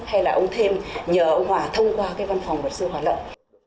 hay là ông thêm nhờ ông hòa thông qua văn phòng luật sư hòa lận